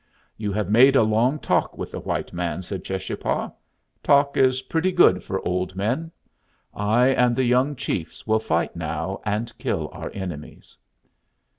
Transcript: "You have made a long talk with the white man," said Cheschapah. "Talk is pretty good for old men. I and the young chiefs will fight now and kill our enemies."